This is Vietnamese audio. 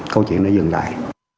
câu chuyện đã dừng lại